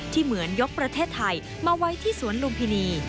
เหมือนยกประเทศไทยมาไว้ที่สวนลุมพินี